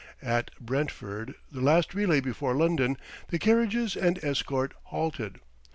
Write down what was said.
At Brentford, the last relay before London, the carriages and escort halted.